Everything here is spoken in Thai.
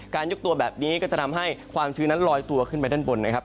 ยกตัวแบบนี้ก็จะทำให้ความชื้นนั้นลอยตัวขึ้นไปด้านบนนะครับ